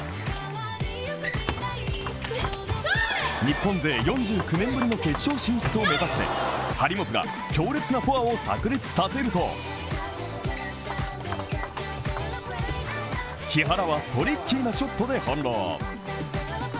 日本勢４９年ぶりの決勝進出を目指して張本が強烈なフォアをさく裂させると、木原はトリッキーなショットでほんろう。